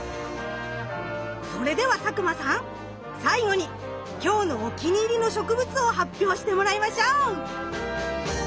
それでは佐久間さん最後に今日のお気に入りの植物を発表してもらいましょう！